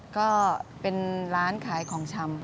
ก็เป็นร้านขายของชำ